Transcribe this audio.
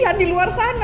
aku akan mencari andi